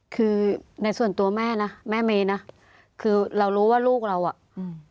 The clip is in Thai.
คือในส่วนตัวแม่นะแม่เมนะคือเรารู้ว่าลูกเราอ่ะอืม